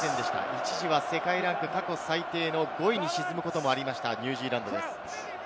一時は世界ランク過去最低の５位に沈むこともありました、ニュージーランドです。